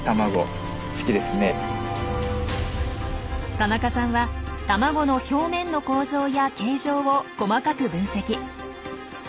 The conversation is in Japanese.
田中さんは卵の表面の構造や形状を細かく分析。